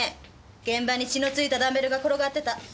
現場に血のついたダンベルが転がってた。